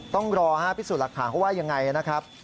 ต้องรอพิสูจน์หลักฐานเขาว่ายังไงนะครับ